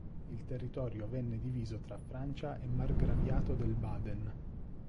Il territorio venne diviso tra Francia e margraviato del Baden.